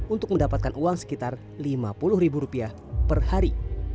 untuk mendapatkan uang sekitar lima puluh ribu rupiah per hari